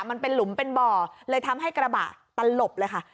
มันเป็นหลุมเป็นบ่อเลยทำให้กระบะตลบเลยค่ะ